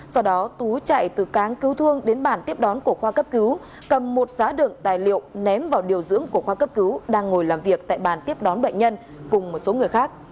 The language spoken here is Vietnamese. sau đó tú chạy từ cáng cứu thương đến bàn tiếp đón của khoa cấp cứu cầm một giá đựng tài liệu ném vào điều dưỡng của khoa cấp cứu đang ngồi làm việc tại bàn tiếp đón bệnh nhân cùng một số người khác